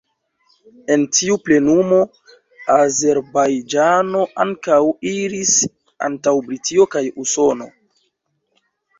En tiu plenumo, Azerbajĝano ankaŭ iris antaŭ Britio kaj Usono.